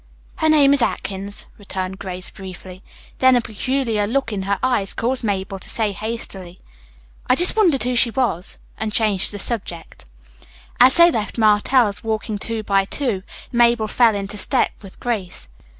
"Her name is Atkins," returned Grace briefly. Then a peculiar look in her eyes caused Mabel to say hastily, "I just wondered who she was," and changed the subject. As they left Martell's, walking two by two, Mabel fell into step with Grace.